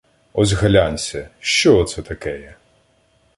Ось глянься, що оце такеє!